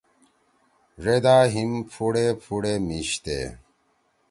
ڙیدا ہیِم پُھوڑے پُھوڑے میشتے